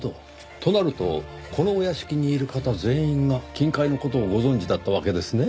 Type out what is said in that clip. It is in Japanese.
となるとこのお屋敷にいる方全員が金塊の事をご存じだったわけですね。